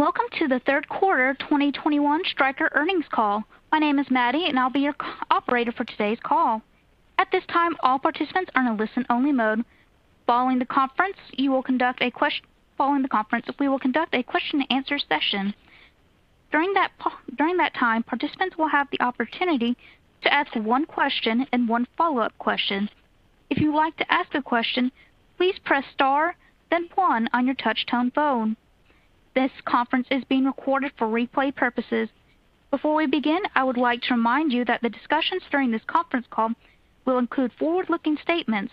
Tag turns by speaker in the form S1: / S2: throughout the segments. S1: Welcome to the third quarter 2021 Stryker earnings call. My name is Maddie and I'll be your conference operator for today's call. At this time, all participants are in a listen-only mode. Following the conference, we will conduct a question and answer session. During that time, participants will have the opportunity to ask one question and one follow-up question. If you'd like to ask a question, please press star, then one on your touchtone phone. This conference is being recorded for replay purposes. Before we begin, I would like to remind you that the discussions during this conference call will include forward-looking statements.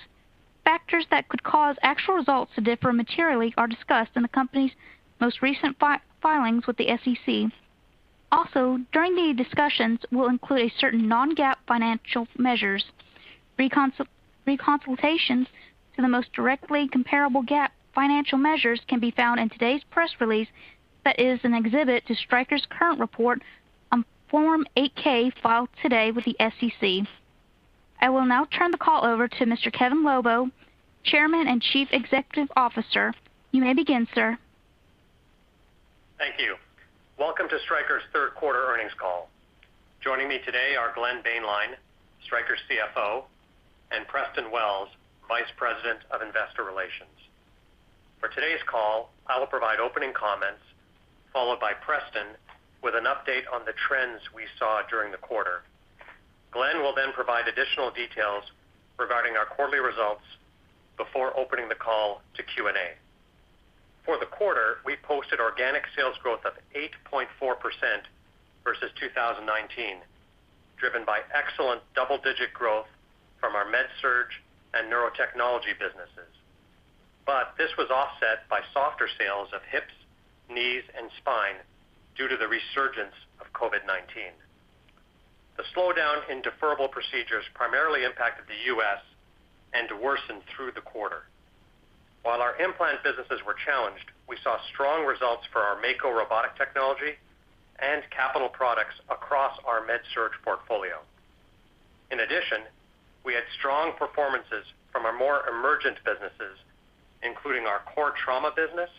S1: Factors that could cause actual results to differ materially are discussed in the company's most recent filings with the SEC. Also, during the discussions, we'll include a certain non-GAAP financial measures. Reconciliations to the most directly comparable GAAP financial measures can be found in today's press release. That is an exhibit to Stryker's current report on Form 8-K filed today with the SEC. I will now turn the call over to Mr. Kevin Lobo, Chairman and Chief Executive Officer. You may begin, sir.
S2: Thank you. Welcome to Stryker's third quarter earnings call. Joining me today are Glenn Boehnlein, Stryker CFO, and Preston Wells, Vice President of Investor Relations. For today's call, I will provide opening comments, followed by Preston with an update on the trends we saw during the quarter. Glenn will then provide additional details regarding our quarterly results before opening the call to Q&A. For the quarter, we posted organic sales growth of 8.4% versus 2019, driven by excellent double-digit growth from our MedSurg and Neurotechnology businesses. This was offset by softer sales of hips, knees, and spine due to the resurgence of COVID-19. The slowdown in deferrable procedures primarily impacted the U.S. and worsened through the quarter. While our implant businesses were challenged, we saw strong results for our Mako robotic technology and capital products across our MedSurg portfolio. In addition, we had strong performances from our more emergent businesses, including our core trauma business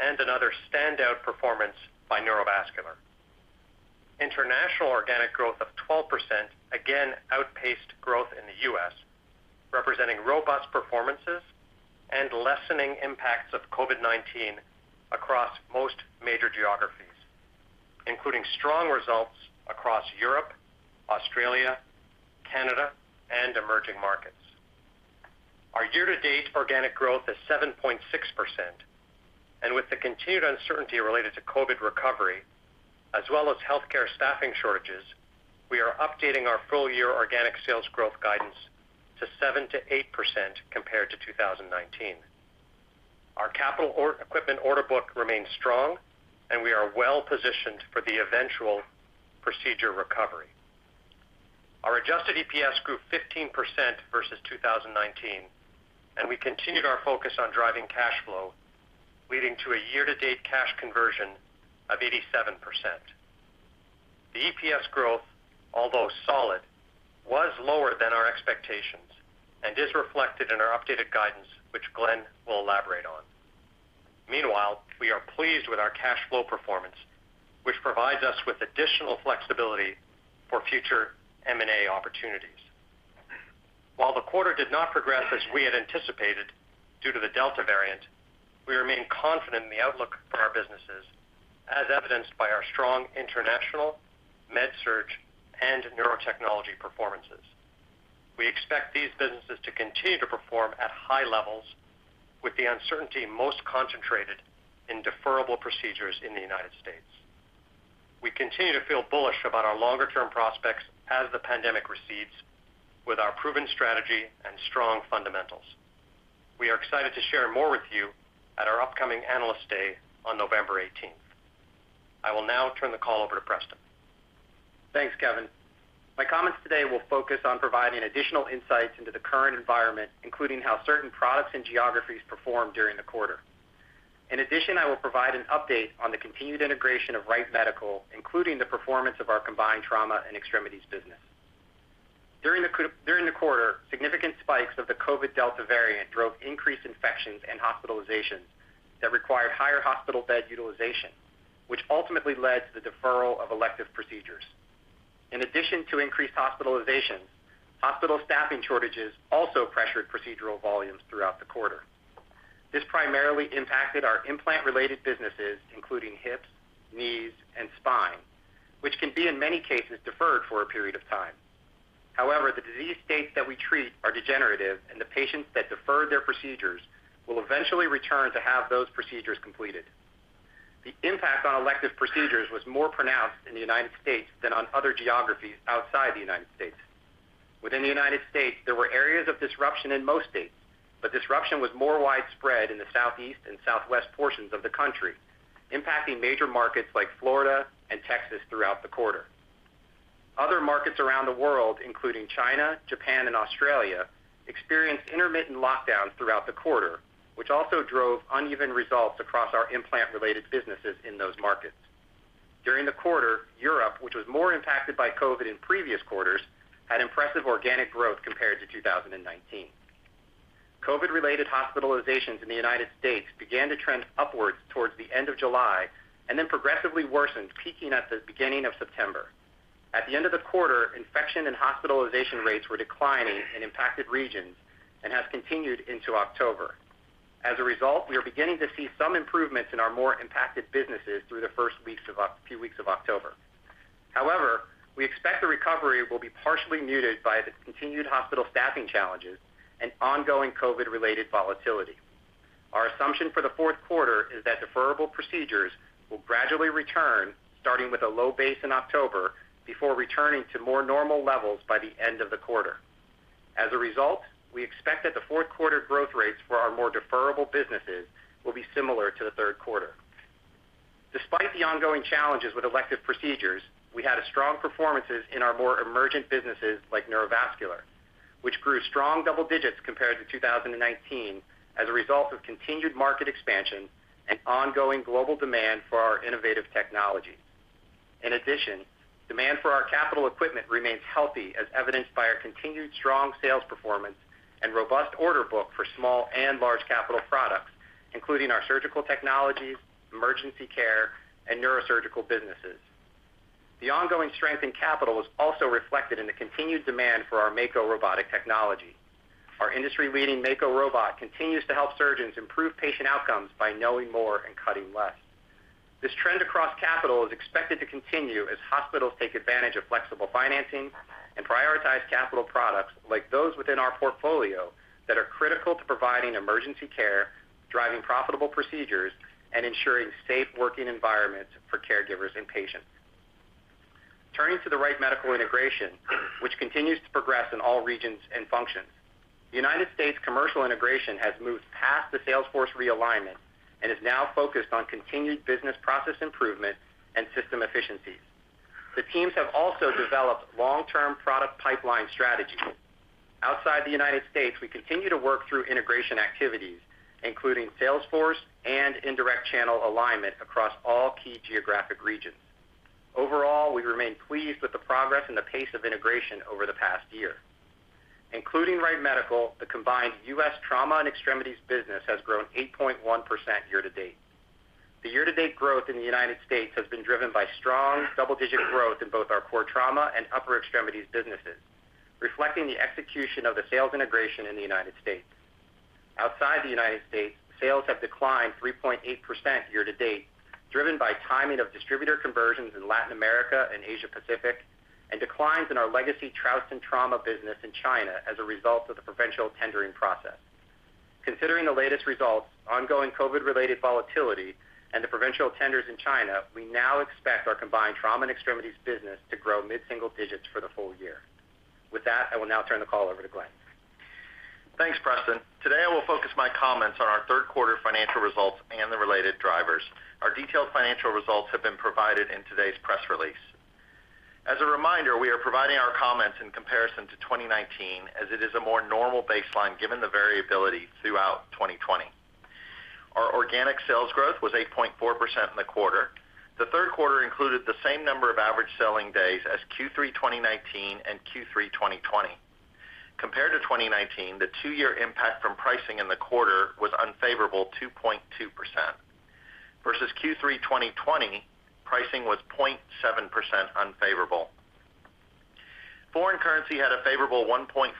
S2: and another standout performance by neurovascular. International organic growth of 12% again outpaced growth in the U.S., representing robust performances and lessening impacts of COVID-19 across most major geographies, including strong results across Europe, Australia, Canada, and emerging markets. Our year-to-date organic growth is 7.6%, and with the continued uncertainty related to COVID recovery as well as healthcare staffing shortages, we are updating our full year organic sales growth guidance to 7%-8% compared to 2019. Our capital or equipment order book remains strong and we are well positioned for the eventual procedure recovery. Our adjusted EPS grew 15% versus 2019, and we continued our focus on driving cash flow, leading to a year-to-date cash conversion of 87%. The EPS growth, although solid, was lower than our expectations and is reflected in our updated guidance, which Glenn will elaborate on. Meanwhile, we are pleased with our cash flow performance, which provides us with additional flexibility for future M&A opportunities. While the quarter did not progress as we had anticipated due to the Delta variant, we remain confident in the outlook for our businesses, as evidenced by our strong international MedSurg and Neurotechnology performances. We expect these businesses to continue to perform at high levels with the uncertainty most concentrated in deferrable procedures in the United States. We continue to feel bullish about our longer-term prospects as the pandemic recedes with our proven strategy and strong fundamentals. We are excited to share more with you at our upcoming Analyst Day on November 18. I will now turn the call over to Preston.
S3: Thanks, Kevin. My comments today will focus on providing additional insights into the current environment, including how certain products and geographies performed during the quarter. In addition, I will provide an update on the continued integration of Wright Medical, including the performance of our combined trauma and extremities business. During the quarter, significant spikes of the COVID Delta variant drove increased infections and hospitalizations that required higher hospital bed utilization, which ultimately led to the deferral of elective procedures. In addition to increased hospitalizations, hospital staffing shortages also pressured procedural volumes throughout the quarter. This primarily impacted our implant-related businesses, including hips, knees, and spine, which can be in many cases deferred for a period of time. However, the disease states that we treat are degenerative, and the patients that deferred their procedures will eventually return to have those procedures completed. The impact on elective procedures was more pronounced in the United States than on other geographies outside the United States. Within the United States, there were areas of disruption in most states, but disruption was more widespread in the southeast and southwest portions of the country, impacting major markets like Florida and Texas throughout the quarter. Other markets around the world, including China, Japan and Australia, experienced intermittent lockdowns throughout the quarter, which also drove uneven results across our implant-related businesses in those markets. During the quarter, Europe, which was more impacted by COVID in previous quarters, had impressive organic growth compared to 2019. COVID-related hospitalizations in the United States began to trend upwards towards the end of July, and then progressively worsened, peaking at the beginning of September. At the end of the quarter, infection and hospitalization rates were declining in impacted regions and has continued into October. As a result, we are beginning to see some improvements in our more impacted businesses through the first few weeks of October. However, we expect the recovery will be partially muted by the continued hospital staffing challenges and ongoing COVID-related volatility. Our assumption for the fourth quarter is that deferrable procedures will gradually return, starting with a low base in October, before returning to more normal levels by the end of the quarter. As a result, we expect that the fourth quarter growth rates for our more deferrable businesses will be similar to the third quarter. Despite the ongoing challenges with elective procedures, we had a strong performance in our more emergent businesses like neurovascular, which grew strong double digits compared to 2019 as a result of continued market expansion and ongoing global demand for our innovative technology. In addition, demand for our capital equipment remains healthy as evidenced by our continued strong sales performance and robust order book for small and large capital products, including our surgical technologies, emergency care, and neurosurgical businesses. The ongoing strength in capital was also reflected in the continued demand for our Mako robotic technology. Our industry-leading Mako robot continues to help surgeons improve patient outcomes by knowing more and cutting less. This trend across capital is expected to continue as hospitals take advantage of flexible financing and prioritize capital products like those within our portfolio that are critical to providing emergency care, driving profitable procedures, and ensuring safe working environments for caregivers and patients. Turning to the Wright Medical integration, which continues to progress in all regions and functions. United States commercial integration has moved past the sales force realignment and is now focused on continued business process improvement and system efficiencies. The teams have also developed long-term product pipeline strategies. Outside the United States, we continue to work through integration activities, including sales force and indirect channel alignment across all key geographic regions. Overall, we remain pleased with the progress and the pace of integration over the past year. Including Wright Medical, the combined U.S. trauma and extremities business has grown 8.1% year-to-date. The year-to-date growth in the United States has been driven by strong double-digit growth in both our core trauma and upper extremities businesses, reflecting the execution of the sales integration in the United States. Outside the United States, sales have declined 3.8% year-to-date, driven by timing of distributor conversions in Latin America and Asia Pacific, and declines in our legacy Trauson trauma business in China as a result of the provincial tendering process. Considering the latest results, ongoing COVID-related volatility, and the provincial tenders in China, we now expect our combined trauma and extremities business to grow mid-single digits for the full year. With that, I will now turn the call over to Glenn.
S4: Thanks, Preston. Today, I will focus my comments on our third quarter financial results and the related drivers. Our detailed financial results have been provided in today's press release. As a reminder, we are providing our comments in comparison to 2019 as it is a more normal baseline given the variability throughout 2020. Our organic sales growth was 8.4% in the quarter. The third quarter included the same number of average selling days as Q3 2019 and Q3 2020. Compared to 2019, the two-year impact from pricing in the quarter was unfavorable 2.2%. Versus Q3 2020, pricing was 0.7% unfavorable. Foreign currency had a favorable 1.2%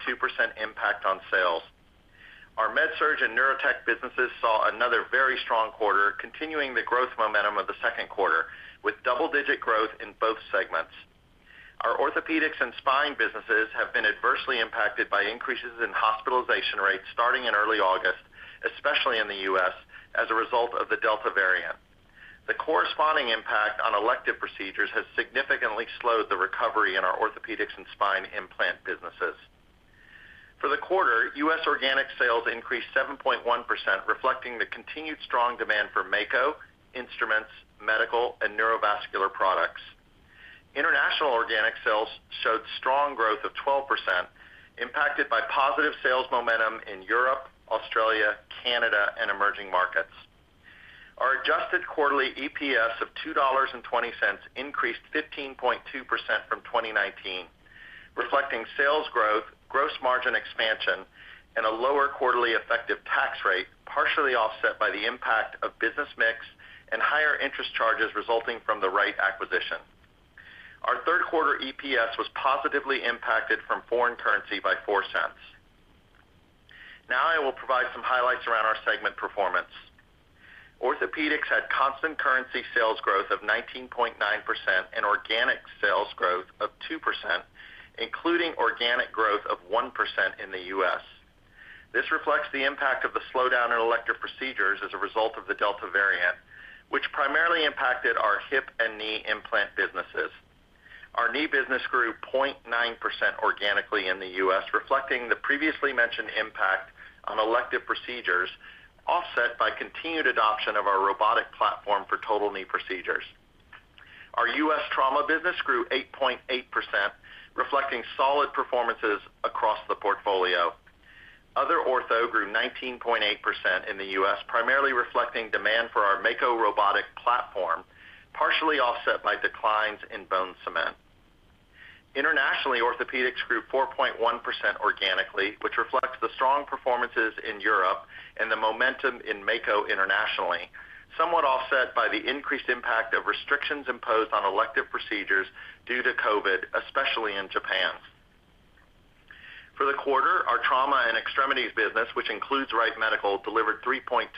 S4: impact on sales. Our MedSurg and Neurotechnology businesses saw another very strong quarter, continuing the growth momentum of the second quarter, with double-digit growth in both segments. Our Orthopaedics and spine businesses have been adversely impacted by increases in hospitalization rates starting in early August, especially in the U.S., as a result of the Delta variant. The corresponding impact on elective procedures has significantly slowed the recovery in our Orthopaedics and spine implant businesses. For the quarter, U.S. organic sales increased 7.1%, reflecting the continued strong demand for Mako, Instruments, MedSurg, and neurovascular products. International organic sales showed strong growth of 12%, impacted by positive sales momentum in Europe, Australia, Canada, and emerging markets. Our adjusted quarterly EPS of $2.20 increased 15.2% from 2019, reflecting sales growth, gross margin expansion, and a lower quarterly effective tax rate, partially offset by the impact of business mix and higher interest charges resulting from the Wright acquisition. Our third quarter EPS was positively impacted from foreign currency by $0.04. Now I will provide some highlights around our segment performance. Orthopaedics had constant currency sales growth of 19.9% and organic sales growth of 2%, including organic growth of 1% in the U.S. This reflects the impact of the slowdown in elective procedures as a result of the Delta variant, which primarily impacted our hip and knee implant businesses. Our knee business grew 0.9% organically in the U.S., reflecting the previously mentioned impact on elective procedures, offset by continued adoption of our robotic platform for total knee procedures. Our U.S. trauma business grew 8.8%, reflecting solid performances across the portfolio. Ortho grew 19.8% in the U.S., primarily reflecting demand for our Mako robotic platform, partially offset by declines in bone cement. Internationally, Orthopaedics grew 4.1% organically, which reflects the strong performances in Europe and the momentum in Mako internationally, somewhat offset by the increased impact of restrictions imposed on elective procedures due to COVID, especially in Japan. For the quarter, our trauma and extremities business, which includes Wright Medical, delivered 3.2%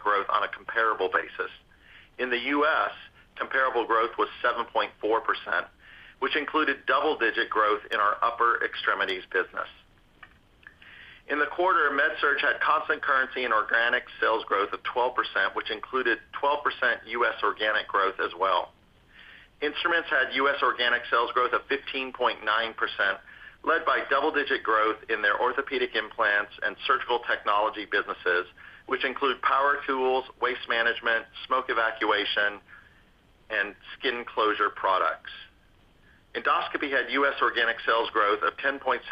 S4: growth on a comparable basis. In the U.S., comparable growth was 7.4%, which included double-digit growth in our upper extremities business. In the quarter, MedSurg had constant currency and organic sales growth of 12%, which included 12% U.S. organic growth as well. Instruments had U.S. organic sales growth of 15.9%, led by double-digit growth in their orthopaedic implants and surgical technology businesses, which include power tools, waste management, smoke evacuation, and skin closure products. Endoscopy had U.S. organic sales growth of 10.6%,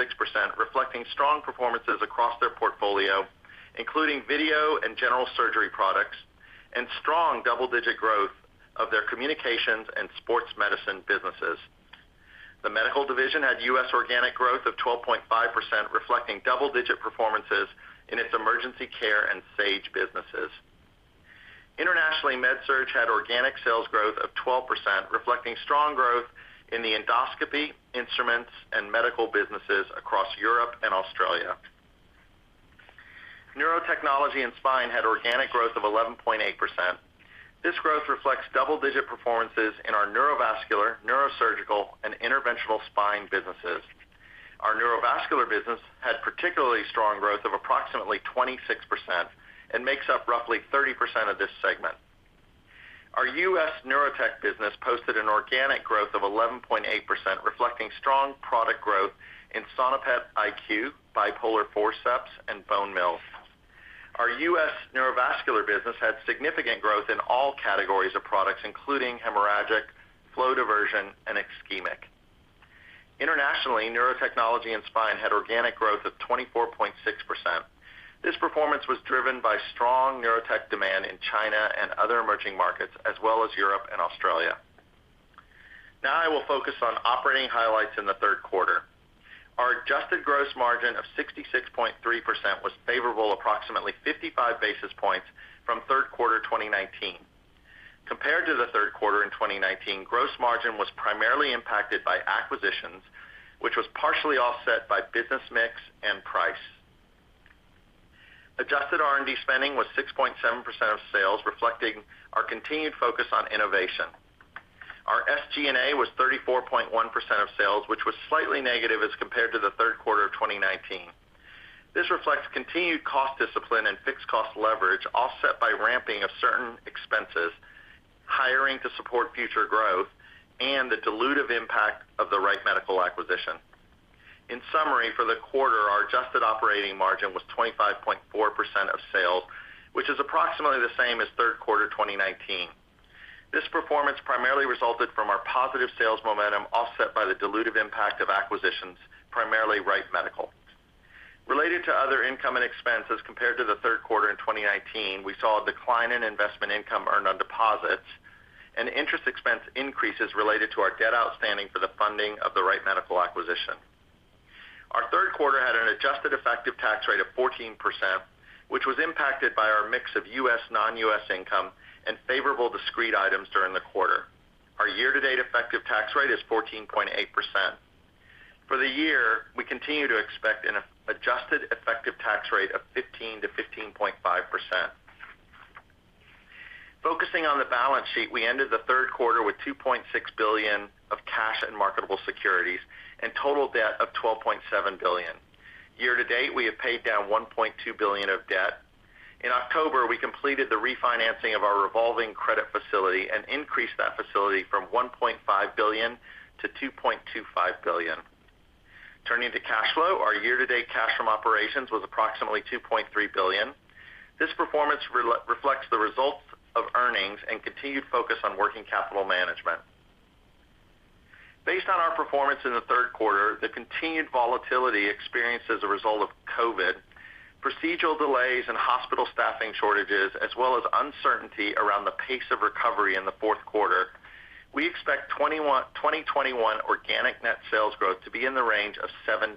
S4: reflecting strong performances across their portfolio, including video and general surgery products, and strong double-digit growth of their communications and sports medicine businesses. The medical division had U.S. organic growth of 12.5%, reflecting double-digit performances in its emergency care and Sage businesses. Internationally, MedSurg had organic sales growth of 12%, reflecting strong growth in the Endoscopy, Instruments and Medical businesses across Europe and Australia. Neurotechnology and Spine had organic growth of 11.8%. This growth reflects double-digit performances in our neurovascular, neurosurgical and interventional spine businesses. Our neurovascular business had particularly strong growth of approximately 26% and makes up roughly 30% of this segment. Our U.S. neurotech business posted an organic growth of 11.8%, reflecting strong product growth in Sonopet iQ, bipolar forceps and bone mills. Our U.S. neurovascular business had significant growth in all categories of products, including hemorrhagic, flow diversion and ischemic. Internationally, neurotechnology and spine had organic growth of 24.6%. This performance was driven by strong neurotech demand in China and other emerging markets, as well as Europe and Australia. Now I will focus on operating highlights in the third quarter. Our adjusted gross margin of 66.3% was favorable approximately 55 basis points from third quarter 2019. Compared to the third quarter in 2019, gross margin was primarily impacted by acquisitions, which was partially offset by business mix and price. Adjusted R&D spending was 6.7% of sales, reflecting our continued focus on innovation. Our SG&A was 34.1% of sales, which was slightly negative as compared to the third quarter of 2019. This reflects continued cost discipline and fixed cost leverage, offset by ramping of certain expenses, hiring to support future growth, and the dilutive impact of the Wright Medical acquisition. In summary, for the quarter, our adjusted operating margin was 25.4% of sales, which is approximately the same as third quarter 2019. This performance primarily resulted from our positive sales momentum offset by the dilutive impact of acquisitions, primarily Wright Medical. Related to other income and expenses compared to the third quarter in 2019, we saw a decline in investment income earned on deposits and interest expense increases related to our debt outstanding for the funding of the Wright Medical acquisition. Our third quarter had an adjusted effective tax rate of 14%, which was impacted by our mix of U.S., non-U.S. income and favorable discrete items during the quarter. Our year-to-date effective tax rate is 14.8%. For the year, we continue to expect an adjusted effective tax rate of 15%-15.5%. Focusing on the balance sheet, we ended the third quarter with $2.6 billion of cash and marketable securities and total debt of $12.7 billion. Year to date, we have paid down $1.2 billion of debt. In October, we completed the refinancing of our revolving credit facility and increased that facility from $1.5 billion-$2.25 billion. Turning to cash flow, our year-to-date cash from operations was approximately $2.3 billion. This performance reflects the results of earnings and continued focus on working capital management. Based on our performance in the third quarter, the continued volatility experienced as a result of COVID, procedural delays and hospital staffing shortages, as well as uncertainty around the pace of recovery in the fourth quarter, we expect 2021 organic net sales growth to be in the range of 7%-8%.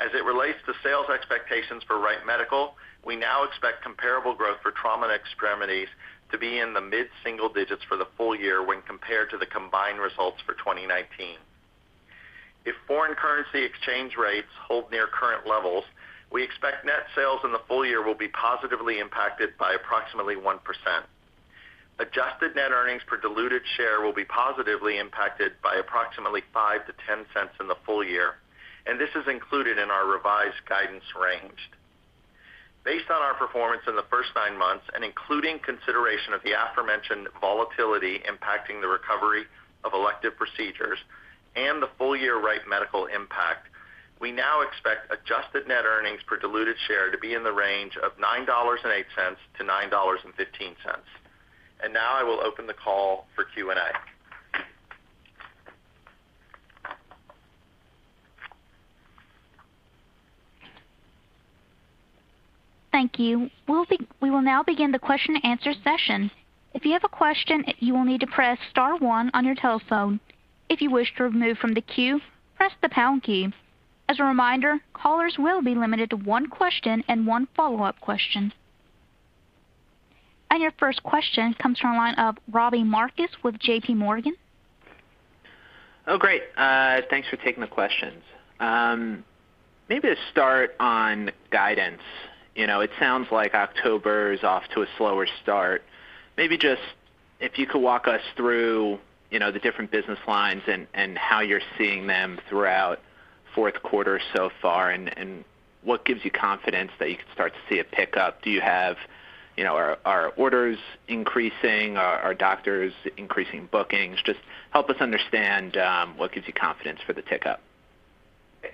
S4: As it relates to sales expectations for Wright Medical, we now expect comparable growth for trauma and extremities to be in the mid-single digits for the full year when compared to the combined results for 2019. If foreign currency exchange rates hold near current levels, we expect net sales in the full year will be positively impacted by approximately 1%. Adjusted net earnings per diluted share will be positively impacted by approximately $0.05-$0.10 in the full year, and this is included in our revised guidance range. Based on our performance in the first nine months and including consideration of the aforementioned volatility impacting the recovery of elective procedures and the full-year Wright Medical impact, we now expect adjusted net earnings per diluted share to be in the range of $9.08-$9.15. Now I will open the call for Q&A.
S1: Thank you. We will now begin the question and answer session. If you have a question, you will need to press star one on your telephone. If you wish to remove from the queue, press the pound key. As a reminder, callers will be limited to one question and one follow-up question. Your first question comes from the line of Robbie Marcus with JPMorgan.
S5: Oh, great. Thanks for taking the questions. Maybe to start on guidance. You know, it sounds like October is off to a slower start. Maybe just if you could walk us through, you know, the different business lines and how you're seeing them throughout fourth quarter so far, and what gives you confidence that you can start to see a pickup. Do you have, you know, are orders increasing? Are doctors increasing bookings? Just help us understand what gives you confidence for the pickup.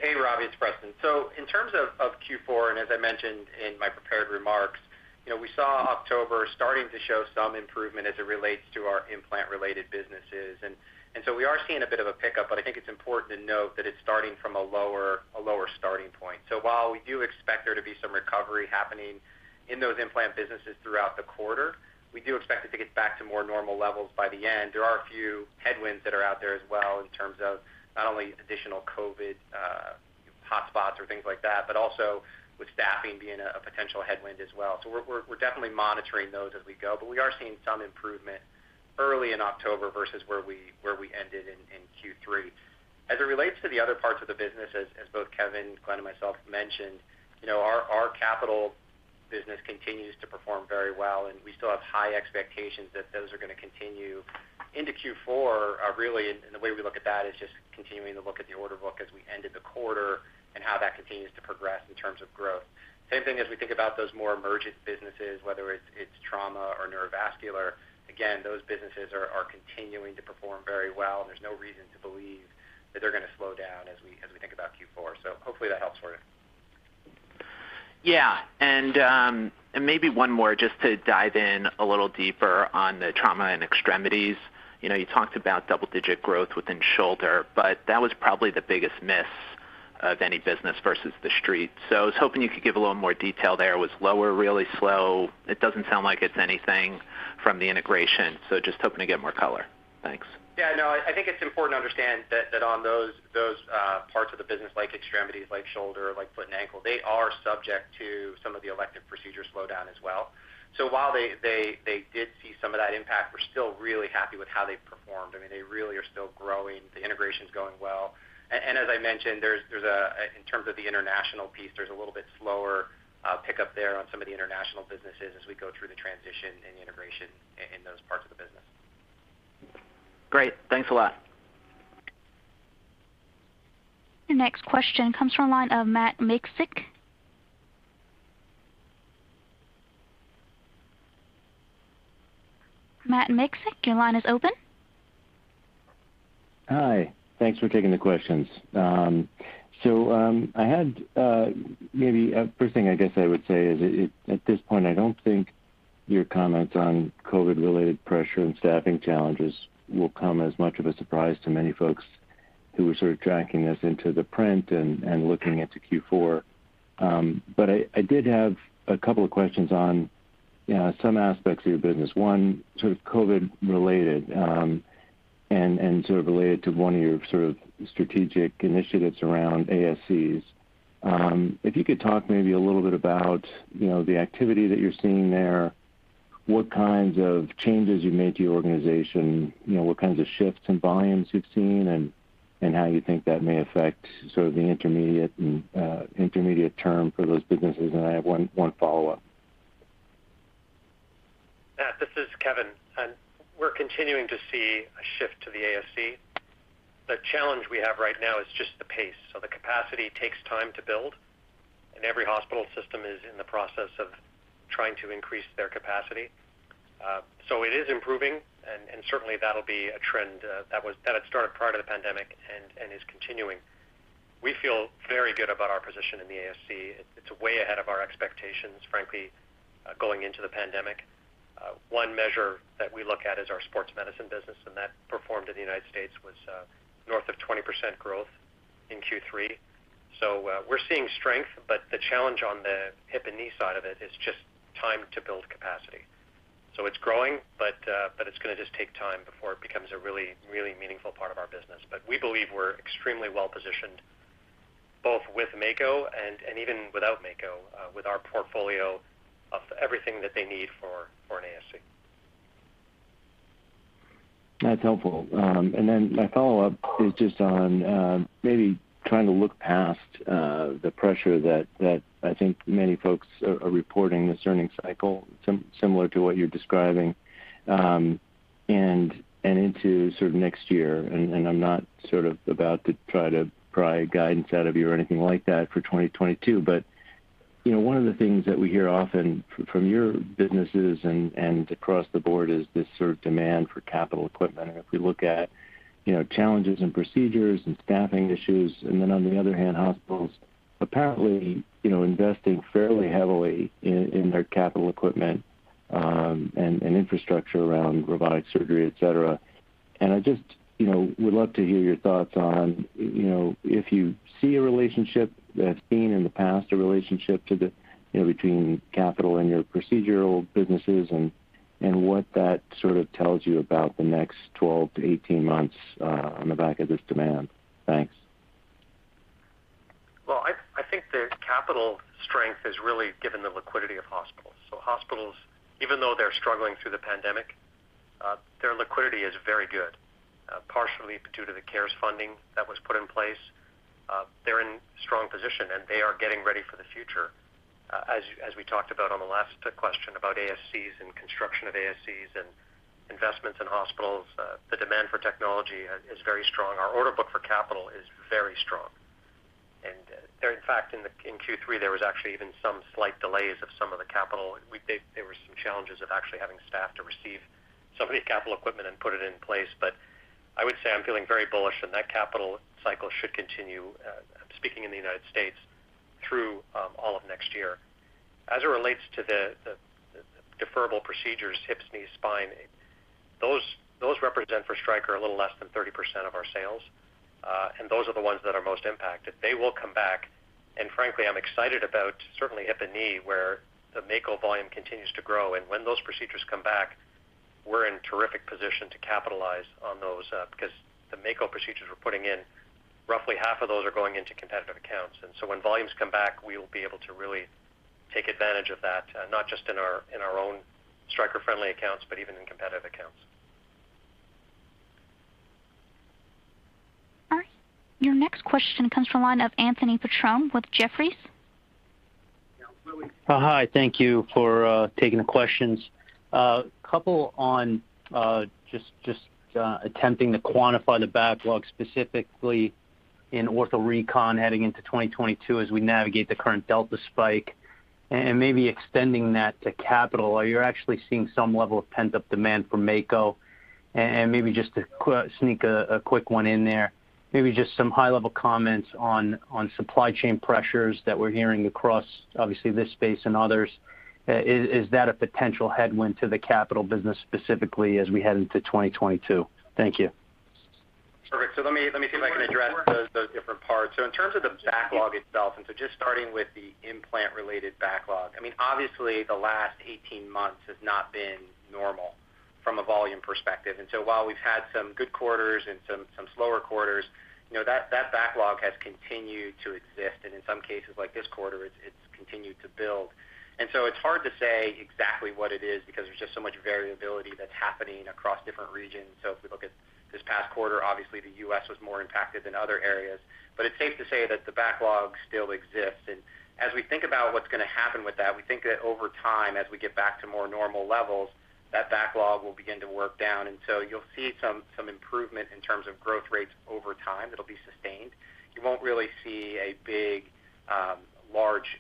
S3: Hey, Robbie, it's Preston. In terms of Q4 and as I mentioned in my prepared remarks, you know, we saw October starting to show some improvement as it relates to our implant-related businesses. We are seeing a bit of a pickup, but I think it's important to note that it's starting from a lower starting point. While we do expect there to be some recovery happening in those implant businesses throughout the quarter, we do expect it to get back to more normal levels by the end. There are a few headwinds that are out there as well in terms of not only additional COVID hotspots or things like that, but also with staffing being a potential headwind as well. We're definitely monitoring those as we go, but we are seeing some improvement early in October versus where we ended in Q3. As it relates to the other parts of the business, as both Kevin, Glenn, and myself mentioned, you know, our capital business continues to perform very well, and we still have high expectations that those are going to continue into Q4. Really, the way we look at that is just continuing to look at the order book as we ended the quarter and how that continues to progress in terms of growth. Same thing as we think about those more emergent businesses, whether it's trauma or neurovascular. Again, those businesses are continuing to perform very well, and there's no reason to believe that they're going to slow down as we think about Q4. Hopefully that helps for you.
S5: Yeah. Maybe one more just to dive in a little deeper on the trauma and extremities. You know, you talked about double-digit growth within shoulder, but that was probably the biggest miss of any business versus the street. I was hoping you could give a little more detail there. Was lower really slow? It doesn't sound like it's anything from the integration, just hoping to get more color. Thanks.
S3: Yeah, no, I think it's important to understand that on those parts of the business like extremities, like shoulder, like foot and ankle, they are subject to some of the elective procedure slowdown as well. So while they did see some of that impact, we're still really happy with how they performed. I mean, they really are still growing. The integration is going well. As I mentioned, in terms of the international piece, there's a little bit slower pickup there on some of the international businesses as we go through the transition and the integration in those parts of the business.
S5: Great. Thanks a lot.
S1: The next question comes from the line of Matt Miksic. Matt Miksic, your line is open.
S6: Hi. Thanks for taking the questions. I had maybe first thing I guess I would say at this point I don't think your comments on COVID-related pressure and staffing challenges will come as much of a surprise to many folks who are sort of tracking this into the print and looking into Q4. I did have a couple of questions on some aspects of your business. One sort of COVID related and sort of related to one of your sort of strategic initiatives around ASCs. If you could talk maybe a little bit about, you know, the activity that you're seeing there, what kinds of changes you made to your organization, you know, what kinds of shifts in volumes you've seen and how you think that may affect sort of the intermediate term for those businesses. I have one follow-up.
S2: Matt, this is Kevin, and we're continuing to see a shift to the ASC. The challenge we have right now is just the pace. The capacity takes time to build, and every hospital system is in the process of trying to increase their capacity. It is improving and certainly that'll be a trend that had started prior to the pandemic and is continuing. We feel very good about our position in the ASC. It's way ahead of our expectations, frankly, going into the pandemic. One measure that we look at is our sports medicine business, and that performed in the United States was north of 20% growth in Q3. We're seeing strength, but the challenge on the hip and knee side of it is just time to build capacity. It's growing, but it's going to just take time before it becomes a really, really meaningful part of our business. We believe we're extremely well positioned both with Mako and even without Mako, with our portfolio of everything that they need for an ASC.
S6: That's helpful. My follow-up is just on maybe trying to look past the pressure that I think many folks are reporting this earnings cycle, similar to what you're describing, and into sort of next year, and I'm not sort of about to try to pry guidance out of you or anything like that for 2022. You know, one of the things that we hear often from your businesses and across the board is this sort of demand for capital equipment. If we look at you know challenges in procedures and staffing issues, and then on the other hand, hospitals apparently you know investing fairly heavily in their capital equipment, and infrastructure around robotic surgery, et cetera. I just, you know, would love to hear your thoughts on, you know, if you see a relationship that's been in the past, a relationship to the, you know, between capital and your procedural businesses and what that sort of tells you about the next 12-18 months on the back of this demand. Thanks.
S3: I think the capital strength is really given the liquidity of hospitals. Hospitals, even though they're struggling through the pandemic, their liquidity is very good, partially due to the CARES funding that was put in place. They're in strong position, and they are getting ready for the future. As we talked about on the last question about ASCs and construction of ASCs and investments in hospitals, the demand for technology is very strong. Our order book for capital is very strong. In fact, in Q3, there was actually even some slight delays of some of the capital. There were some challenges of actually having staff to receive some of the capital equipment and put it in place. I would say I'm feeling very bullish, and that capital cycle should continue, speaking in the United States through all of next year. As it relates to the deferrable procedures, hips, knees, spine, those represent for Stryker a little less than 30% of our sales, and those are the ones that are most impacted. They will come back and frankly, I'm excited about certainly hip and knee, where the Mako volume continues to grow. When those procedures come back, we're in terrific position to capitalize on those, because the Mako procedures we're putting in, roughly half of those are going into competitive accounts. When volumes come back, we will be able to really take advantage of that, not just in our own Stryker-friendly accounts, but even in competitive accounts.
S1: All right. Your next question comes from the line of Anthony Petrone with Jefferies.
S7: Hi. Thank you for taking the questions. A couple on just attempting to quantify the backlog, specifically in ortho recon heading into 2022 as we navigate the current Delta spike, and maybe extending that to capital. Are you actually seeing some level of pent-up demand for Mako? Maybe just to sneak a quick one in there, maybe just some high-level comments on supply chain pressures that we're hearing across obviously this space and others. Is that a potential headwind to the capital business specifically as we head into 2022? Thank you.
S3: Perfect. Let me see if I can address those different parts. In terms of the backlog itself, and so just starting with the implant-related backlog, I mean, obviously the last 18 months has not been normal from a volume perspective. While we've had some good quarters and some slower quarters, you know, that backlog has continued to exist, and in some cases like this quarter, it's continued to build. It's hard to say exactly what it is because there's just so much variability that's happening across different regions. If we look at this past quarter, obviously the U.S. was more impacted than other areas. It's safe to say that the backlog still exists. As we think about what's going to happen with that, we think that over time, as we get back to more normal levels, that backlog will begin to work down. You'll see some improvement in terms of growth rates over time that'll be sustained. You won't really see a big, large,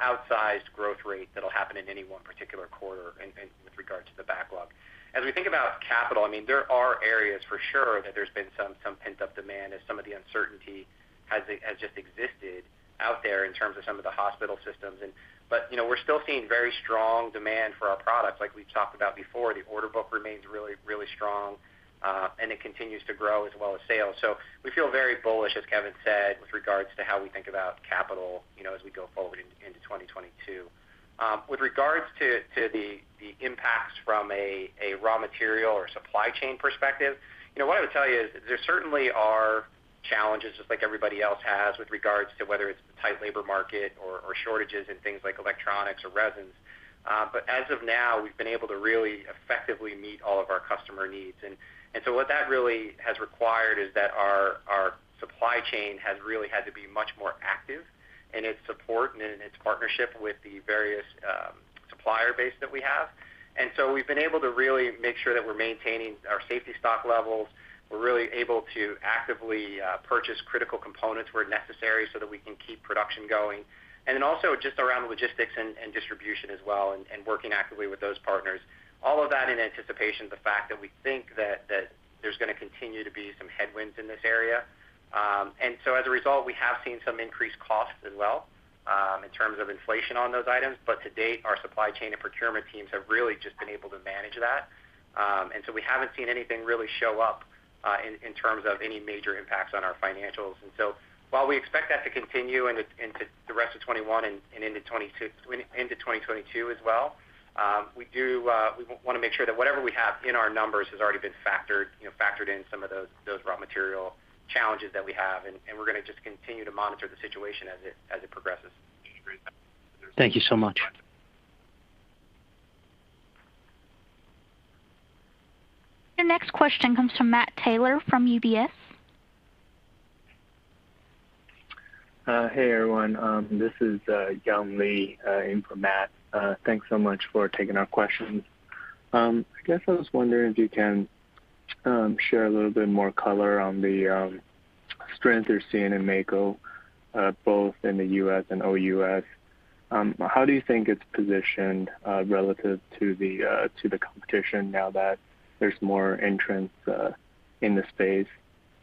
S3: outsized growth rate that'll happen in any one particular quarter in with regard to the backlog. As we think about capital, I mean, there are areas for sure that there's been some pent-up demand as some of the uncertainty has just existed out there in terms of some of the hospital systems. You know, we're still seeing very strong demand for our products. Like we've talked about before, the order book remains really strong, and it continues to grow as well as sales. We feel very bullish, as Kevin said, with regards to how we think about capital, you know, as we go forward into 2022. With regards to the impacts from a raw material or supply chain perspective, you know, what I would tell you is there certainly are challenges just like everybody else has with regards to whether it's the tight labor market or shortages in things like electronics or resins. But as of now, we've been able to really effectively meet all of our customer needs. So what that really has required is that our supply chain has really had to be much more active in its support and in its partnership with the various supplier base that we have. We've been able to really make sure that we're maintaining our safety stock levels. We're really able to actively purchase critical components where necessary so that we can keep production going. Then also just around logistics and distribution as well, and working actively with those partners. All of that in anticipation of the fact that we think that there's going to continue to be some headwinds in this area. As a result, we have seen some increased costs as well, in terms of inflation on those items. To date, our supply chain and procurement teams have really just been able to manage that. We haven't seen anything really show up, in terms of any major impacts on our financials. While we expect that to continue into the rest of 2021 and into 2022 as well, we do want to make sure that whatever we have in our numbers has already been factored, you know, in some of those raw material challenges that we have, and we're going to just continue to monitor the situation as it progresses.
S7: Thank you so much.
S1: Your next question comes from Matt Taylor from UBS.
S8: Hey, everyone. This is Young Lee in for Matt. Thanks so much for taking our questions. I guess I was wondering if you can share a little bit more color on the strength you're seeing in Mako, both in the U.S. and OUS. How do you think it's positioned relative to the competition now that there's more entrants in the space?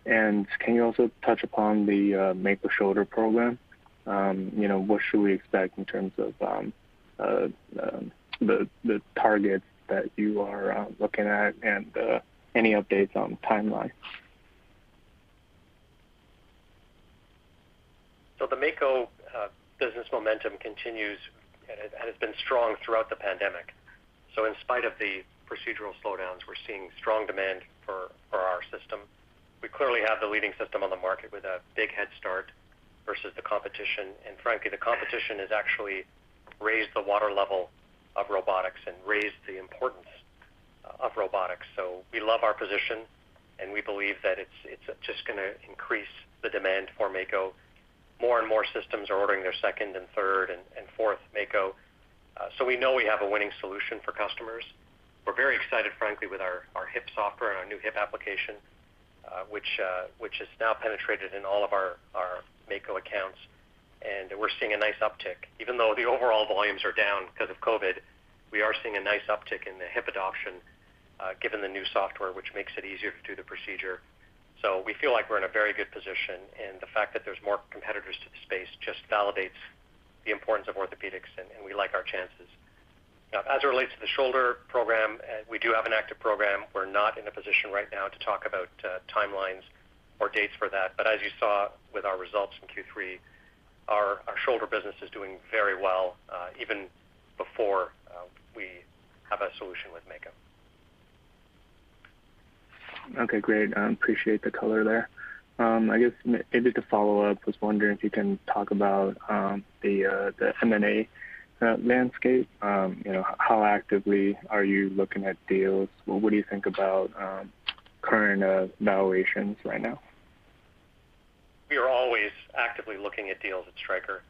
S8: Can you also touch upon the Mako shoulder program? You know, what should we expect in terms of the targets that you are looking at and any updates on timelines?
S3: The Mako business momentum continues and has been strong throughout the pandemic. In spite of the procedural slowdowns, we're seeing strong demand for our system. We clearly have the leading system on the market with a big head start versus the competition. Frankly, the competition has actually raised the water level of robotics and raised the importance of robotics. We love our position, and we believe that it's just going to increase the demand for Mako. More and more systems are ordering their second and third and fourth Mako. We know we have a winning solution for customers. We're very excited, frankly, with our hip software and our new hip application, which has now penetrated in all of our Mako accounts, and we're seeing a nice uptick. Even though the overall volumes are down because of COVID, we are seeing a nice uptick in the hip adoption, given the new software, which makes it easier to do the procedure. We feel like we're in a very good position, and the fact that there's more competitors to the space just validates the importance of orthopedics, and we like our chances. Now, as it relates to the shoulder program, we do have an active program. We're not in a position right now to talk about timelines or dates for that. As you saw with our results in Q3, our shoulder business is doing very well, even before we have a solution with Mako.
S8: Okay, great. Appreciate the color there. I guess maybe to follow up, I was wondering if you can talk about the M&A landscape. You know, how actively are you looking at deals? What do you think about current valuations right now?
S3: We are always actively looking at deals at Stryker.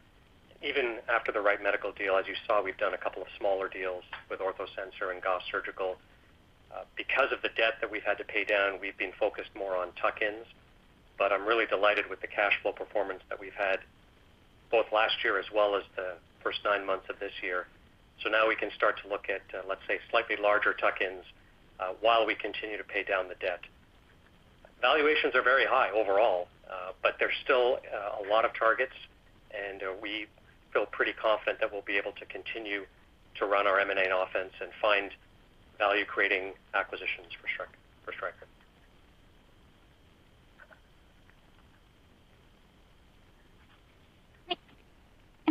S3: Even after the Wright Medical deal, as you saw, we've done a couple of smaller deals with OrthoSensor and Gauss Surgical. Because of the debt that we've had to pay down, we've been focused more on tuck-ins, but I'm really delighted with the cash flow performance that we've had both last year as well as the first nine months of this year. Now we can start to look at, let's say, slightly larger tuck-ins, while we continue to pay down the debt. Valuations are very high overall, but there's still a lot of targets, and we feel pretty confident that we'll be able to continue to run our M&A offense and find value-creating acquisitions for Stryker.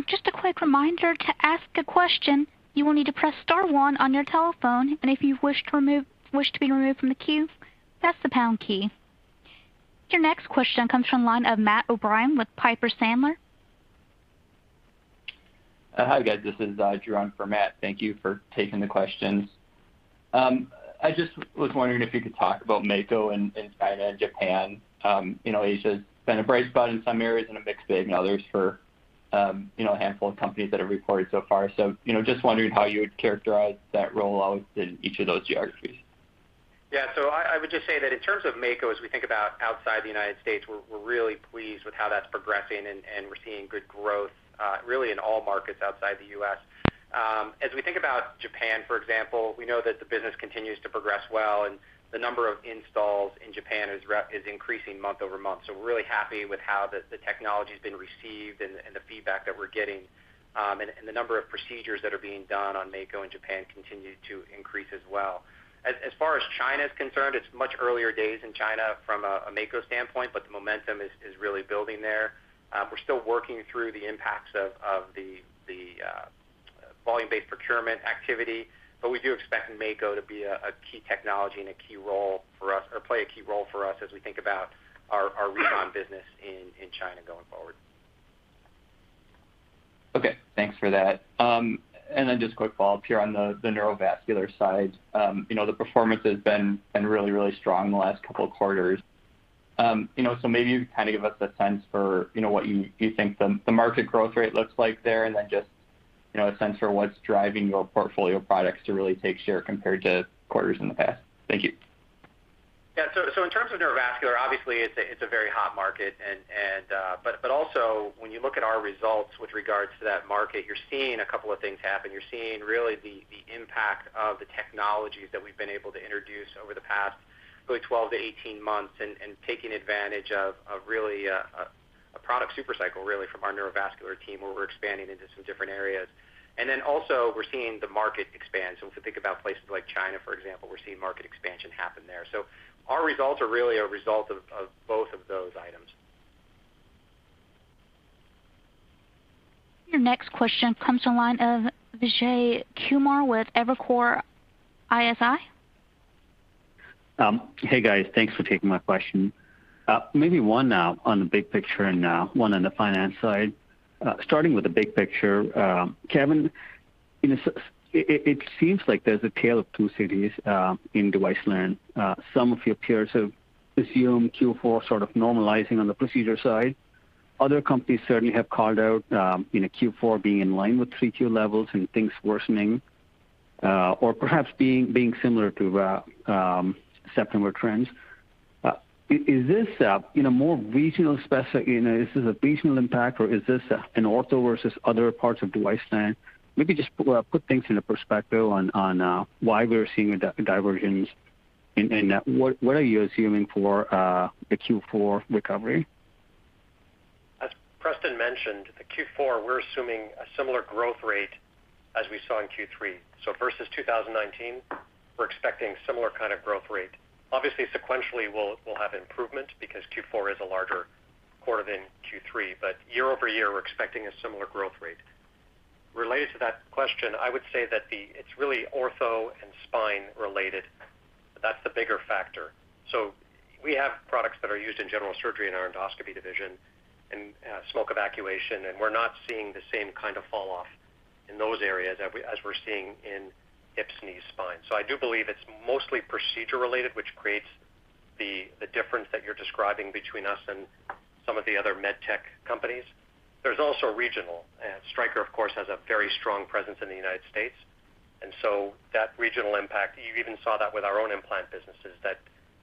S1: Just a quick reminder, to ask a question, you will need to press star one on your telephone. If you wish to be removed from the queue, press the pound key. Your next question comes from the line of Matt O'Brien with Piper Sandler.
S9: Hi, guys. This is Drew for Matt. Thank you for taking the questions. I just was wondering if you could talk about Mako in China and Japan. You know, Asia's been a bright spot in some areas and a mixed bag in others for a handful of companies that have reported so far. You know, just wondering how you would characterize that rollout in each of those geographies.
S3: Yeah. I would just say that in terms of Mako, as we think about outside the United States, we're really pleased with how that's progressing, and we're seeing good growth really in all markets outside the U.S. As we think about Japan, for example, we know that the business continues to progress well, and the number of installs in Japan is increasing month-over-month. We're really happy with how the technology's been received and the feedback that we're getting. And the number of procedures that are being done on Mako in Japan continue to increase as well. As far as China is concerned, it's much earlier days in China from a Mako standpoint, but the momentum is really building there. We're still working through the impacts of the volume-based procurement activity, but we do expect Mako to be a key technology and play a key role for us as we think about our recon business in China going forward.
S9: Okay. Thanks for that. Just a quick follow-up here on the neurovascular side. You know, the performance has been really strong in the last couple of quarters. You know, maybe you kind of give us a sense for, you know, what you think the market growth rate looks like there and then just, you know, a sense for what's driving your portfolio products to really take share compared to quarters in the past. Thank you.
S3: Yeah. In terms of neurovascular, obviously it's a very hot market, but also when you look at our results with regards to that market, you're seeing a couple of things happen. You're seeing the impact of the technologies that we've been able to introduce over the past really 12-18 months and taking advantage of really a product super cycle really from our neurovascular team where we're expanding into some different areas. We're seeing the market expand. If you think about places like China, for example, we're seeing market expansion happen there. Our results are really a result of both of those items.
S1: Your next question comes from the line of Vijay Kumar with Evercore ISI.
S10: Hey, guys, thanks for taking my question. Maybe one on the big picture and one on the finance side. Starting with the big picture, Kevin, you know, it seems like there's a tale of two cities in the device lane. Some of your peers have assumed Q4 sort of normalizing on the procedure side. Other companies certainly have called out, you know, Q4 being in line with 3Q levels and things worsening or perhaps being similar to September trends. Is this more regional specific? You know, is this a regional impact, or is this an ortho versus other parts of device line? Maybe just put things into perspective on why we're seeing a divergence and what are you assuming for the Q4 recovery?
S2: As Preston mentioned the Q4, we're assuming a similar growth rate as we saw in Q3. Versus 2019, we're expecting similar kind of growth rate. Obviously, sequentially, we'll have improvement because Q4 is a larger quarter than Q3, but year-over-year, we're expecting a similar growth rate. Related to that question, I would say that it's really ortho and spine related. That's the bigger factor. We have products that are used in general surgery in our endoscopy division and smoke evacuation, and we're not seeing the same kind of falloff in those areas as we're seeing in hip, knee, spine. I do believe it's mostly procedure related, which creates the difference that you're describing between us and some of the other med tech companies. There's also regional. Stryker, of course, has a very strong presence in the United States, and so that regional impact, you even saw that with our own implant businesses, that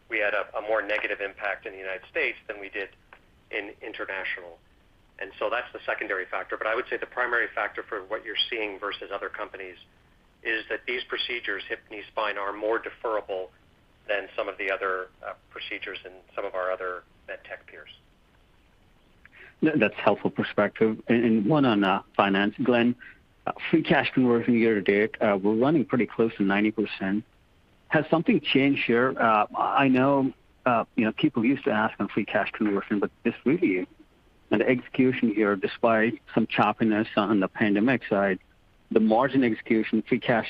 S2: we had a more negative impact in the United States than we did in international. That's the secondary factor. I would say the primary factor for what you're seeing versus other companies is that these procedures, hip, knee, spine, are more deferrable than some of the other procedures in some of our other med tech peers.
S10: That's helpful perspective. One on finance. Glenn, free cash conversion year to date, we're running pretty close to 90%. Has something changed here? I know, you know, people used to ask on free cash conversion, but this really an execution year despite some choppiness on the pandemic side. The margin execution, free cash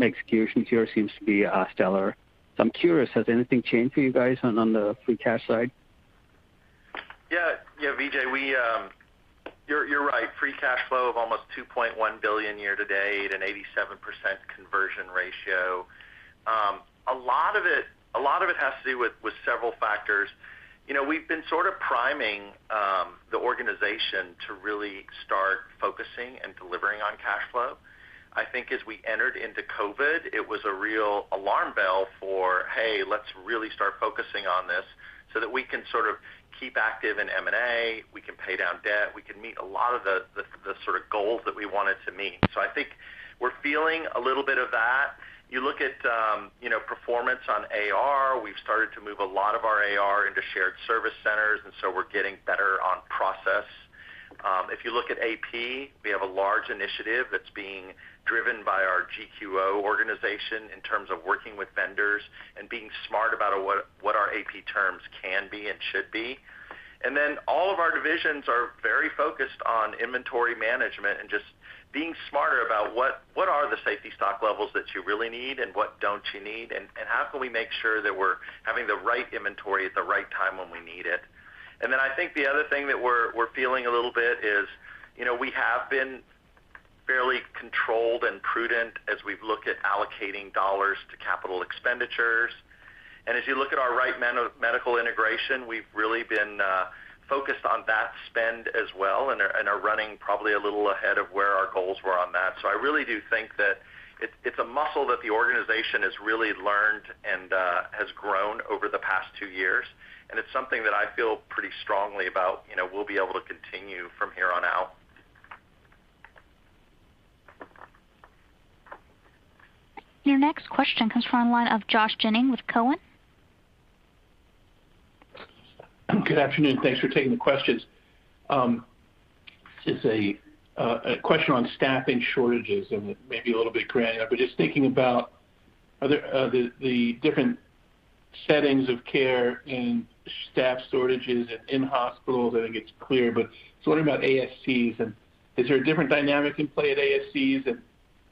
S10: execution here seems to be stellar. I'm curious, has anything changed for you guys on the free cash side?
S4: Yeah, Vijay, you're right. Free cash flow of almost $2.1 billion year to date at an 87% conversion ratio. A lot of it has to do with several factors. You know, we've been sort of priming the organization to really start focusing and delivering on cash flow. I think as we entered into COVID, it was a real alarm bell for, hey, let's really start focusing on this so that we can sort of keep active in M&A, we can pay down debt, we can meet a lot of the sort of goals that we wanted to meet. I think we're feeling a little bit of that. You look at, you know, performance on AR. We've started to move a lot of our AR into shared service centers, and so we're getting better on process. If you look at AP, we have a large initiative that's being driven by our GQO organization in terms of working with vendors and being smart about what our AP terms can be and should be. Then all of our divisions are very focused on inventory management and just being smarter about what are the safety stock levels that you really need and what don't you need, and how can we make sure that we're having the right inventory at the right time when we need it. I think the other thing that we're feeling a little bit is, you know, we have been fairly controlled and prudent as we've looked at allocating dollars to capital expenditures. As you look at our Wright Medical integration, we've really been focused on that spend as well and are running probably a little ahead of where our goals were on that. I really do think that it's a muscle that the organization has really learned and has grown over the past two years. It's something that I feel pretty strongly about, you know, we'll be able to continue from here on out.
S1: Your next question comes from the line of Josh Jennings with Cowen.
S11: Good afternoon. Thanks for taking the questions. This is a question on staffing shortages and maybe a little bit granular, but just thinking about whether the different settings of care and staff shortages and in hospitals, I think it's clear, but just wondering about ASCs and is there a different dynamic in play at ASCs?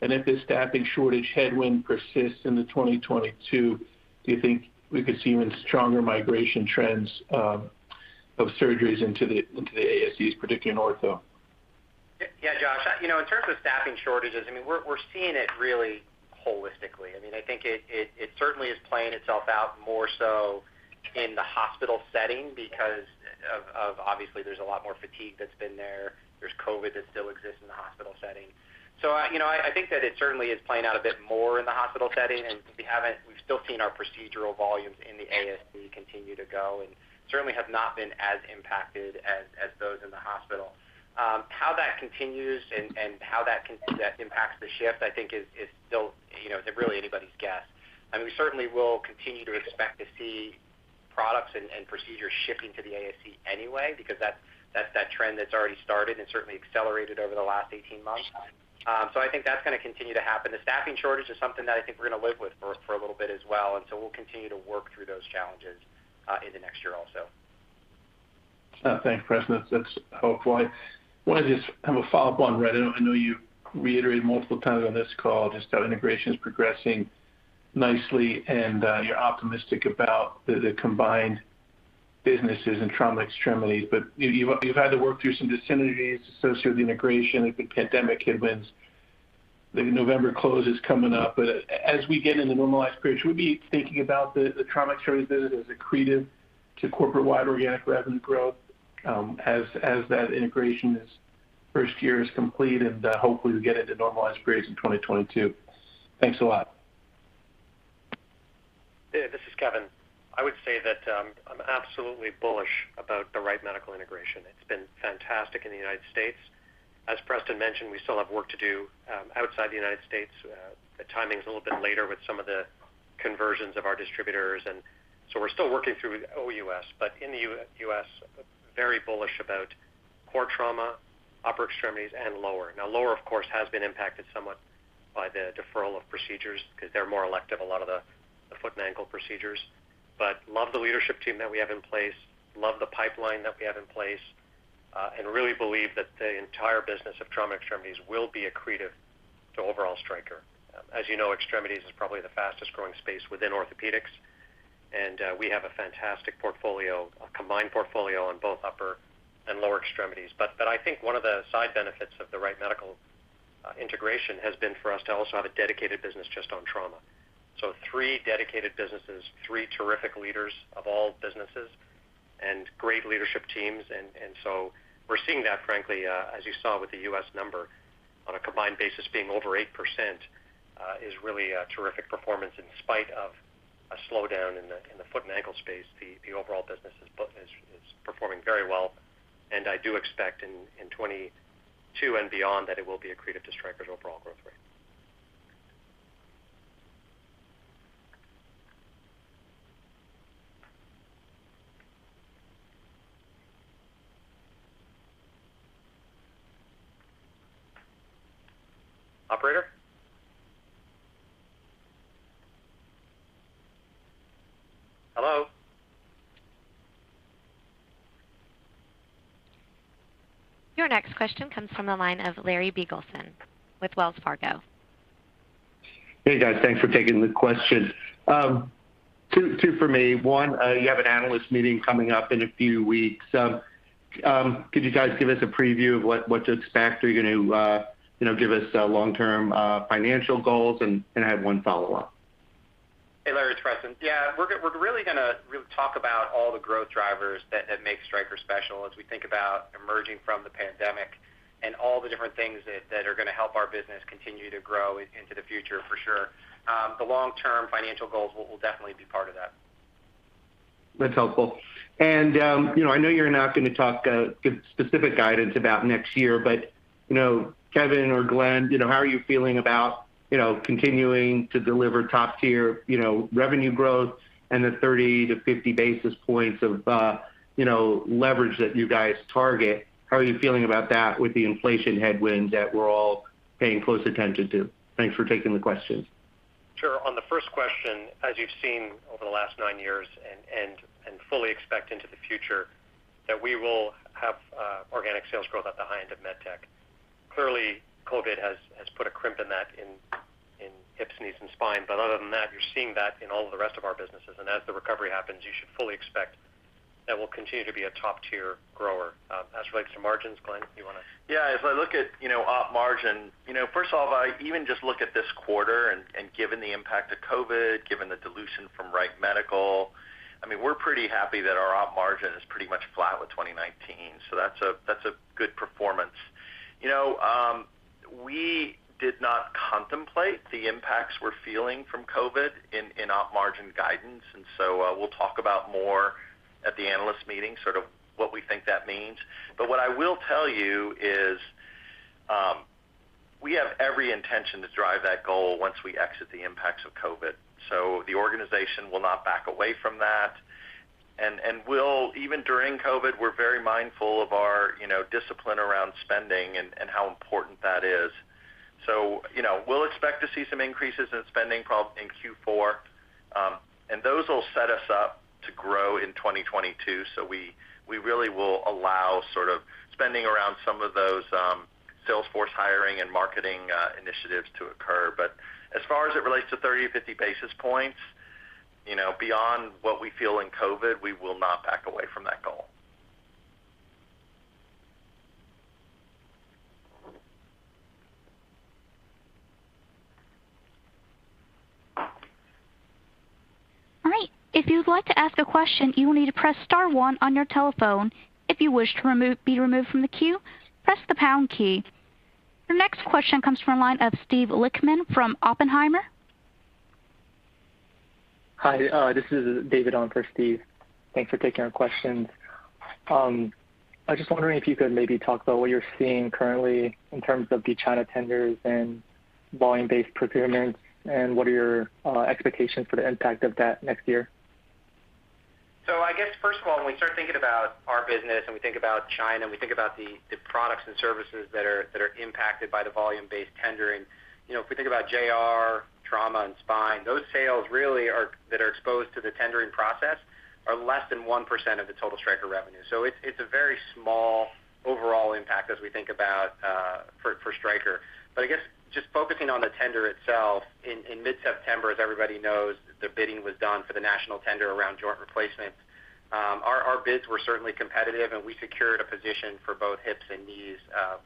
S11: If this staffing shortage headwind persists into 2022, do you think we could see even stronger migration trends of surgeries into the ASCs, particularly in ortho?
S3: Yeah, Josh. You know, in terms of staffing shortages, I mean, we're seeing it really holistically. I mean, I think it certainly is playing itself out more so in the hospital setting because of obviously there's a lot more fatigue that's been there. There's COVID that still exists in the hospital setting. So you know, I think that it certainly is playing out a bit more in the hospital setting, and we've still seen our procedural volumes in the ASC continue to go and certainly have not been as impacted as those in the hospital. How that continues and how that impacts the shift, I think is still you know, really anybody's guess. I mean, we certainly will continue to expect to see products and procedures shifting to the ASC anyway because that's that trend that's already started and certainly accelerated over the last 18 months. I think that's gonna continue to happen. The staffing shortage is something that I think we're gonna live with for a little bit as well. We'll continue to work through those challenges in the next year also.
S11: Thanks, Preston. That's helpful. I want to just have a follow-up on that. I know you reiterated multiple times on this call just how integration is progressing nicely and you're optimistic about the combined businesses and trauma extremities, but you've had to work through some discrepancies associated with integration. There's been pandemic headwinds. The November close is coming up. But as we get into normalized periods, should we be thinking about the trauma extremities business as accretive to corporate-wide organic revenue growth, as that integration first year is complete and hopefully we get into normalized periods in 2022? Thanks a lot.
S2: Yeah, this is Kevin. I would say I'm absolutely bullish about the Wright Medical integration. It's been fantastic in the United States. As Preston mentioned, we still have work to do outside the United States. The timing's a little bit later with some of the conversions of our distributors. We're still working through OUS. In the U.S., very bullish about core trauma, upper extremities, and lower. Now, lower, of course, has been impacted somewhat by the deferral of procedures because they're more elective, a lot of the foot and ankle procedures. Love the leadership team that we have in place, love the pipeline that we have in place, and really believe that the entire business of trauma extremities will be accretive to overall Stryker. As you know, extremities is probably the fastest-growing space within orthopedics, and we have a fantastic portfolio, a combined portfolio on both upper and lower extremities. I think one of the side benefits of the Wright Medical integration has been for us to also have a dedicated business just on trauma. Three dedicated businesses, three terrific leaders of all businesses and great leadership teams. We're seeing that, frankly, as you saw with the U.S. number, on a combined basis being over 8%, is really a terrific performance. In spite of a slowdown in the foot and ankle space, the overall business is performing very well. I do expect in 2022 and beyond that it will be accretive to Stryker's overall growth rate. Operator? Hello?
S1: Your next question comes from the line of Larry Biegelsen with Wells Fargo.
S12: Hey, guys. Thanks for taking the question. Two for me. One, you have an analyst meeting coming up in a few weeks. Could you guys give us a preview of what to expect? Are you going to, you know, give us long-term financial goals? I have one follow-up.
S3: Hey, Larry, it's Preston. Yeah, we're really gonna talk about all the growth drivers that make Stryker special as we think about emerging from the pandemic and all the different things that are going to help our business continue to grow into the future for sure. The long-term financial goals will definitely be part of that.
S12: That's helpful. You know, I know you're not going to talk, give specific guidance about next year, but, you know, Kevin or Glenn, you know, how are you feeling about, you know, continuing to deliver top-tier, you know, revenue growth and the 30-50 basis points of leverage that you guys target? How are you feeling about that with the inflation headwinds that we're all paying close attention to? Thanks for taking the question.
S2: Sure. On the first question, as you've seen over the last nine years and fully expect into the future that we will have organic sales growth at the high end of medtech. Clearly, COVID has put a crimp in that in hips, knees, and spine. But other than that, you're seeing that in all of the rest of our businesses. As the recovery happens, you should fully expect that we'll continue to be a top-tier grower. As relates to margins, Glenn, you wanna.
S4: Yeah, as I look at, you know, op margin, you know, first of all, if I even just look at this quarter and given the impact of COVID, given the dilution from Wright Medical, I mean, we're pretty happy that our op margin is pretty much flat with 2019, so that's a good performance. You know, we did not contemplate the impacts we're feeling from COVID in op margin guidance, and we'll talk about more at the analyst meeting, sort of what we think that means. What I will tell you is, we have every intention to drive that goal once we exit the impacts of COVID. The organization will not back away from that. We'll even during COVID, we're very mindful of our, you know, discipline around spending and how important that is. You know, we'll expect to see some increases in spending probably in Q4, and those will set us up to grow in 2022. We really will allow sort of spending around some of those, sales force hiring and marketing, initiatives to occur. As far as it relates to 30-50 basis points, you know, beyond what we feel in COVID, we will not back away from that goal.
S1: All right. If you would like to ask a question, you will need to press star one on your telephone. If you wish to be removed from the queue, press the pound key. Your next question comes from the line of Steve Lichtman from Oppenheimer.
S13: Hi, this is David on for Steve. Thanks for taking our questions. I was just wondering if you could maybe talk about what you're seeing currently in terms of the China tenders and volume-based procurements, and what are your expectations for the impact of that next year?
S3: I guess, first of all, when we start thinking about our business and we think about China, and we think about the products and services that are impacted by the volume-based tendering, you know, if we think about JR, trauma, and spine, those sales that are exposed to the tendering process are less than 1% of the total Stryker revenue. It's a very small overall impact as we think about for Stryker. But I guess just focusing on the tender itself, in mid-September, as everybody knows, the bidding was done for the national tender around joint replacements. Our bids were certainly competitive, and we secured a position for both hips and knees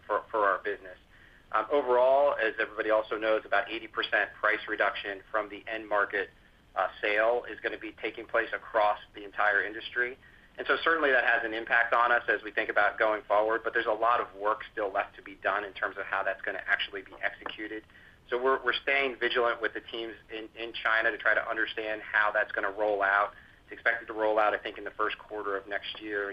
S3: for our business. Overall, as everybody also knows, about 80% price reduction from the end market. Sale is going to be taking place across the entire industry. Certainly that has an impact on us as we think about going forward. There's a lot of work still left to be done in terms of how that's going to actually be executed. We're staying vigilant with the teams in China to try to understand how that's going to roll out. It's expected to roll out, I think, in the first quarter of next year.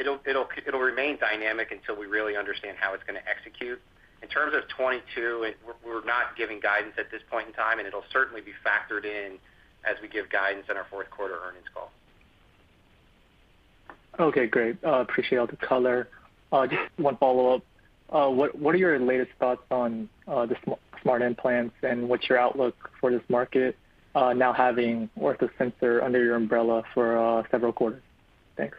S3: It'll remain dynamic until we really understand how it's going to execute. In terms of 2022, we're not giving guidance at this point in time, and it'll certainly be factored in as we give guidance in our fourth quarter earnings call.
S13: Okay, great. Appreciate all the color. Just one follow-up. What are your latest thoughts on the smart implants and what's your outlook for this market, now having OrthoSensor under your umbrella for several quarters? Thanks.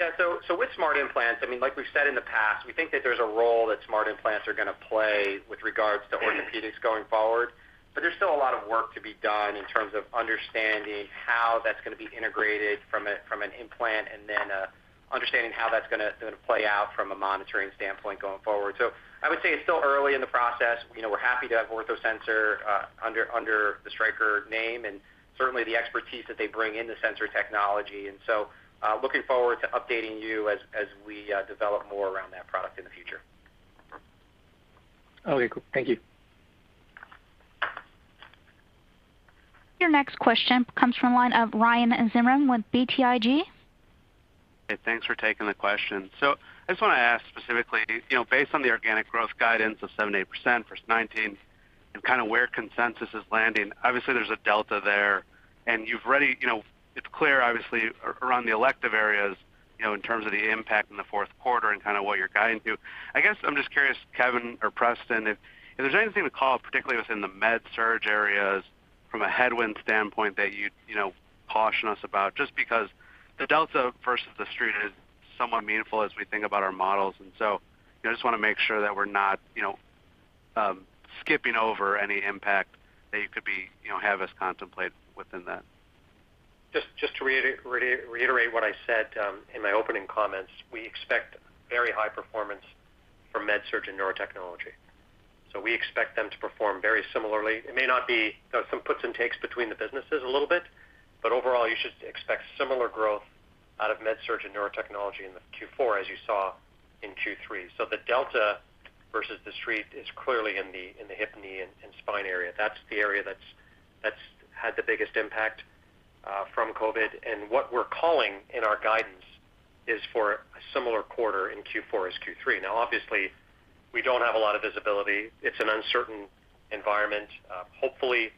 S3: Yeah. With smart implants, I mean, like we've said in the past, we think that there's a role that smart implants are going to play with regards to orthopedics going forward. But there's still a lot of work to be done in terms of understanding how that's going to be integrated from an implant, and then understanding how that's going to play out from a monitoring standpoint going forward. I would say it's still early in the process. You know, we're happy to have OrthoSensor under the Stryker name and certainly the expertise that they bring in the sensor technology. Looking forward to updating you as we develop more around that product in the future.
S13: Okay. Thank you.
S1: Your next question comes from the line of Ryan Zimmerman with BTIG.
S14: Thanks for taking the question. I just want to ask specifically, you know, based on the organic growth guidance of 7%-8% versus 19% and kind of where consensus is landing, obviously there's a delta there. You've already, you know, it's clear, obviously, around the elective areas, you know, in terms of the impact in the fourth quarter and kind of what you're guiding to. I guess I'm just curious, Kevin or Preston, if there's anything to call, particularly within the MedSurg areas from a headwind standpoint that you'd, you know, caution us about, just because the delta versus the street is somewhat meaningful as we think about our models. I just want to make sure that we're not, you know, skipping over any impact that you could be, you know, have us contemplate within that.
S2: Just to reiterate what I said in my opening comments, we expect very high performance for MedSurg and Neurotechnology. We expect them to perform very similarly. It may not be some puts and takes between the businesses a little bit, but overall, you should expect similar growth out of MedSurg and Neurotechnology in the Q4 as you saw in Q3. The delta versus the street is clearly in the hip, knee, and spine area. That's the area that's had the biggest impact from COVID. What we're calling in our guidance is for a similar quarter in Q4 as Q3. Now, obviously, we don't have a lot of visibility. It's an uncertain environment. Hopefully,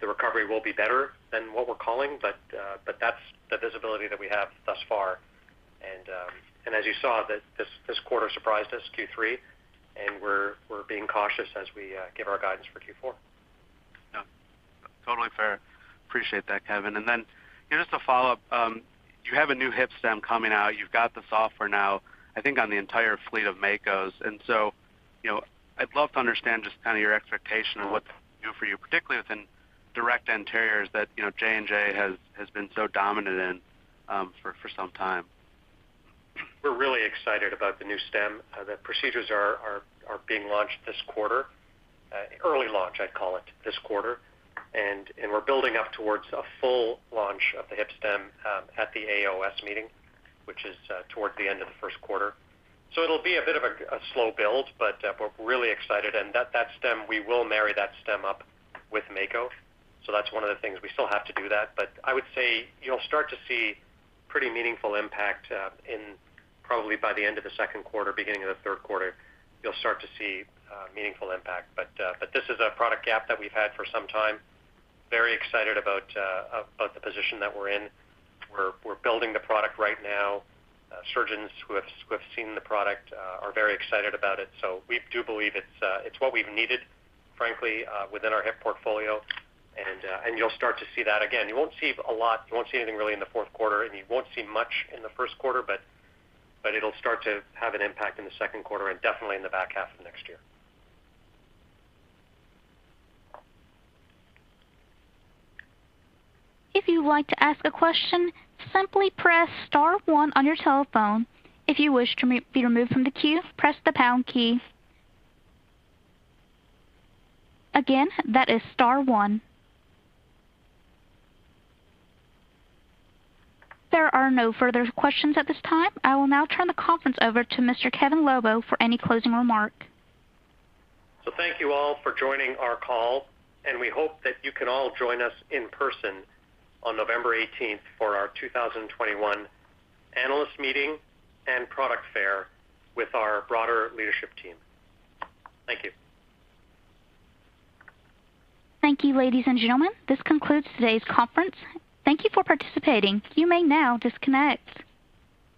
S2: the recovery will be better than what we're calling, but that's the visibility that we have thus far. As you saw, this quarter surprised us, Q3, and we're being cautious as we give our guidance for Q4.
S14: Yeah, totally fair. Appreciate that, Kevin. Just a follow-up. You have a new hip stem coming out. You've got the software now, I think, on the entire fleet of Mako's. You know, I'd love to understand just kind of your expectation of what that does for you, particularly within direct anteriors that J&J has been so dominant in for some time.
S2: We're really excited about the new stem. The procedures are being launched this quarter. Early launch, I'd call it, this quarter. We're building up towards a full launch of the hip stem at the AAOS meeting, which is toward the end of the first quarter. It'll be a bit of a slow build, but we're really excited. That stem, we will marry that stem up with Mako. That's one of the things. We still have to do that. I would say you'll start to see pretty meaningful impact, and probably by the end of the second quarter, beginning of the third quarter, you'll start to see meaningful impact. This is a product gap that we've had for some time. Very excited about the position that we're in. We're building the product right now. Surgeons who have seen the product are very excited about it. We do believe it's what we've needed, frankly, within our hip portfolio. You'll start to see that. Again, you won't see a lot. You won't see anything really in the fourth quarter, and you won't see much in the first quarter, but it'll start to have an impact in the second quarter and definitely in the back half of next year.
S1: If you'd like to ask a question, simply press star one on your telephone. If you wish to be removed from the queue, press the pound key. Again, that is star one. There are no further questions at this time. I will now turn the conference over to Mr. Kevin Lobo for any closing remark.
S2: Thank you all for joining our call, and we hope that you can all join us in person on November 18th for our 2021 analyst meeting and product fair with our broader leadership team. Thank you.
S1: Thank you, ladies and gentlemen. This concludes today's conference. Thank you for participating. You may now disconnect.